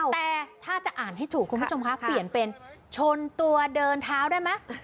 แต่ถ้าจะอ่านให้ถูกคุณผู้ชมคะเปลี่ยนเป็นชนตัวเดินเท้าได้ไหม